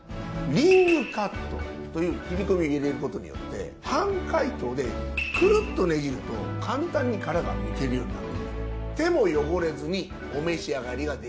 リングカットという切り込みを入れることによって半解凍でくるっとねじると簡単に殻が剥けるようになる。